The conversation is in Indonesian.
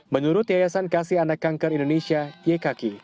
menurut yayasan kasianak kanker indonesia yekaki